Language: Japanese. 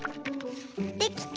できた！